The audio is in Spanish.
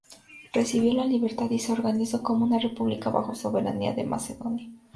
Recibió la libertad y se organizó como una república bajo soberanía de Macedonia.